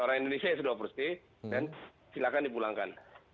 orang indonesia yang sudah overstay dan silakan dipulangkan